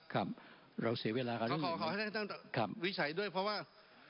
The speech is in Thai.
ขอขอให้ท่านวิจัยด้วยเพราะว่า